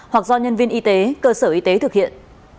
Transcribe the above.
hoặc do nhân viên y tế cơ sở y tế thực hiện